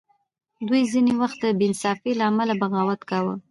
دوی ځینې وخت د بې انصافۍ له امله بغاوت کاوه.